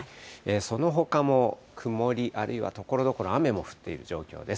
そのほかも曇り、あるいはところどころ雨も降っている状況です。